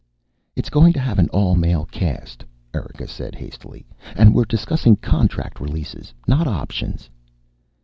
"It's going to have an all male cast," Erika said hastily. "And we're discussing contract releases, not options."